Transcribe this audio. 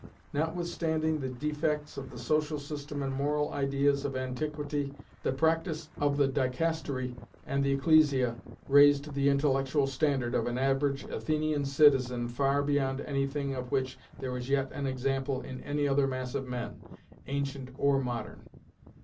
Notwithstanding the defects of the social system and moral ideas of antiquity, the practice of the dicastery and the ecclesia raised the intellectual standard of an average Athenian citizen far beyond any thing of which there is yet an example in any other mass of men, ancient or modern.